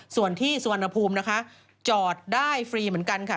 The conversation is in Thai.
ส่วนที่สุวรรณภูมินะคะจอดได้ฟรีเหมือนกันค่ะ